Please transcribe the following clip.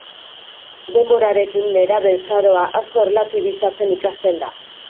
Denborarekin, nerabezaroa asko erlatibizatzen ikasten da.